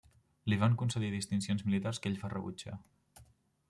Li van concedir distincions militars que ell va rebutjar.